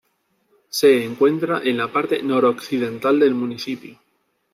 Se encuentra en la parte noroccidental del municipio.